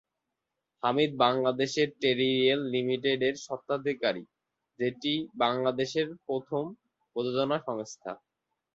হামিদ বাংলাদেশের "tele real limited" এর স্বত্বাধিকারী, যেটি হচ্ছে বাংলাদেশের প্রথম প্রযোজনা সংস্থা।